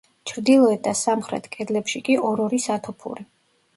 ჩრდილოეთ და სამხრეთ კედლებში კი, ორ-ორი სათოფური.